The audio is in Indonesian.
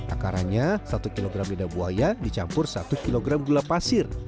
akaranya satu kilogram lidah buaya dicampur satu kilogram gula pasir